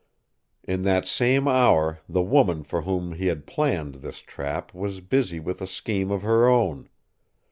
In that same hour the woman for whom he had planned this trap was busy with a scheme of her own.